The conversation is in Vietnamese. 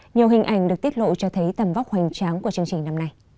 nhiều hình ảnh được tiết lộ cho thấy tầm vóc hoành tráng của chương trình năm nay